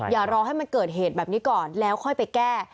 อย่ารอให้มันเกิดเหตุแบบนี้ก่อนแล้วค่อยไปแก้